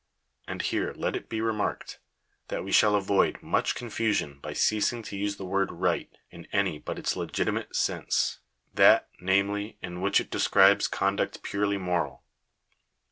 And here let it be remarked, that we shall avoid much confu sion by ceasing to use the word right in any but its legitimate sense ; that, namely, in which it describes conduct purely moral.